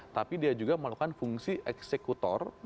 tapi dia juga melakukan fungsi eksekutor